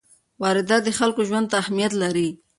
واردات د خلکو ژوند ته اهمیت لري.